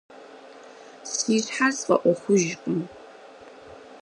Си щхьэр сфӀэӀуэхужкъым.